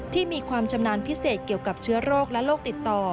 ที่มีความชำนาญพิเศษเกี่ยวกับเชื้อโรคและโรคติดต่อ